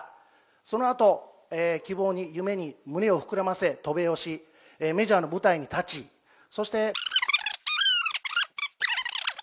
そのあと、希望に夢に胸を膨らませ、渡米をし、メジャーの舞台に立ち、そして。